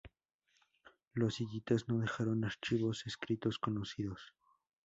Los hititas no dejaron archivos escritos conocidos.